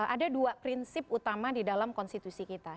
ada dua prinsip utama di dalam konstitusi kita